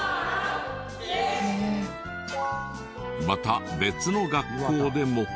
また別の学校でも。